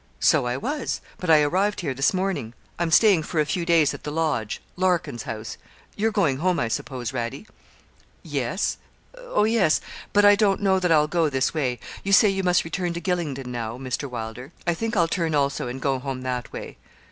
'So I was; but I arrived here this morning; I'm staying for a few days at the Lodge Larkin's house; you're going home, I suppose, Radie?' 'Yes oh, yes but I don't know that I'll go this way. You say you must return to Gylingden now, Mr. Wylder; I think I'll turn also, and go home that way.'